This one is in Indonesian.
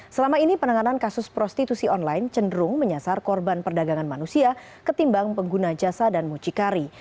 selama ini penanganan kasus prostitusi online cenderung menyasar korban perdagangan manusia ketimbang pengguna jasa dan mucikari